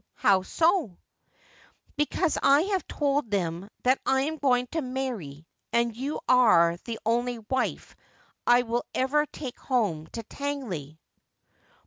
' How so 1 '' Because I have told them that I am going to marry, and you are the only wife I will ever take home to Tangley.'